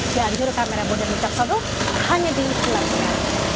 dan juru kamera bodoh dan mencap soduh hanya di silangnya